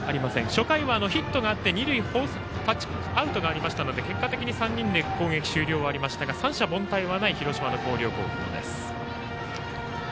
初回はヒットがあって、二塁タッチアウトがありましたので結果的に３人で攻撃終了はありましたが三者凡退はない広島の広陵高校です。